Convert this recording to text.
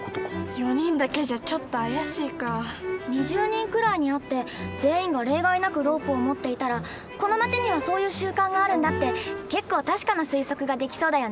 ２０人くらいに会って全員が例外なくロープを持っていたらこの町にはそういう習慣があるんだって結構確かな推測ができそうだよね。